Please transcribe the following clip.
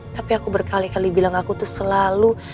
tapi aku berkali kali bilang aku tuh selalu